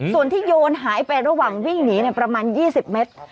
ส่วนที่โยนหายไประหว่างวิ่งหนีประมาณ๒๐เมตร